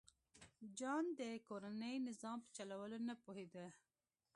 جون د کورني نظام په چلولو نه پوهېده